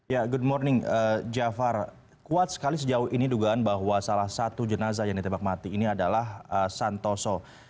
ya good morning jafar kuat sekali sejauh ini dugaan bahwa salah satu jenazah yang ditebak mati ini adalah santoso